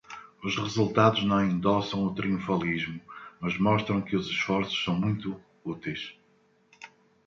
Os resultados não endossam o triunfalismo, mas mostram que os esforços são muito úteis.